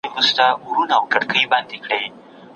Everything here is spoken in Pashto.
ناولونه او کيسې هم بايد ولوستل سي.